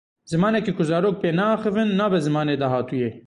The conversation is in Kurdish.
Zimanekî ku zarok pê neaxivin, nabe zimanê dahatûyê.